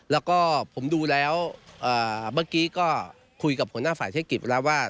แล้วก็ผมดูแล้วเมื่อกี้ก็คุยกับหัวหน้าฝ่ายเทคนิคแล้วว่า